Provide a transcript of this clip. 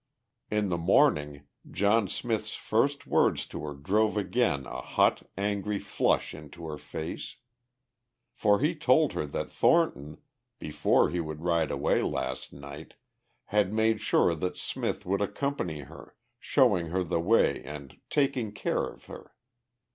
In the morning John Smith's first words to her drove again a hot, angry flush into her face. For he told her that Thornton, before he would ride away last night, had made sure that Smith would accompany her, showing her the way and "taking care of her."